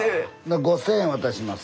５，０００円渡します。